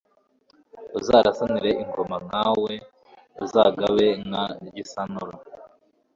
Uzarasanire ingoma nka we, Uzagabe nka Gisanura,